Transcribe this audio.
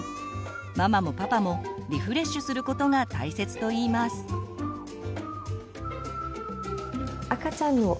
ママもパパもリフレッシュすることが大切といいます。